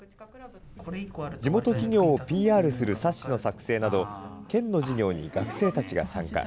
地元企業をＰＲする冊子の作成など、県の事業に学生たちが参加。